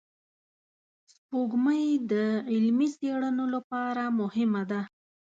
سپوږمۍ د علمي څېړنو لپاره مهمه ده